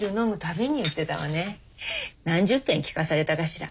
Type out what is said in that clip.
何十ぺん聞かされたかしら。